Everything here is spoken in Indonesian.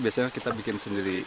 biasanya kita bikin sendiri